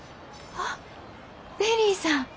あっベリーさん。